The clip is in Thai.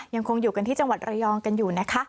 ยังคงอยู่กันที่จังหวัดระยองกันอยู่นะคะ